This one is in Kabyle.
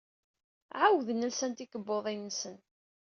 Ɛawden lsan tikebbuḍin-nsen.